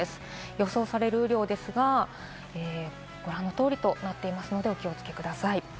予想される雨量ですが、ご覧の通りとなっていますので、お気をつけください。